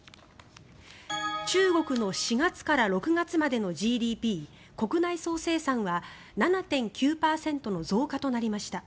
中国の４月から６月までのＧＤＰ・国内総生産は７．９％の増加となりました。